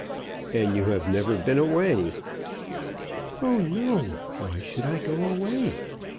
"And you have never been away." "Oh, no! why should I go away?